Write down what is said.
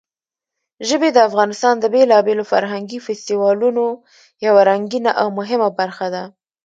ژبې د افغانستان د بېلابېلو فرهنګي فستیوالونو یوه رنګینه او مهمه برخه ده.